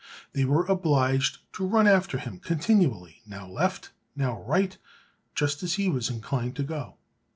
They were obliged to run after him continually, now left, now right, just as he was inclined to go.